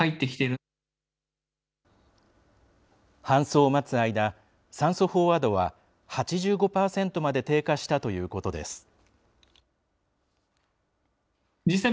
搬送を待つ間、酸素飽和度は８５％まで低下したということです。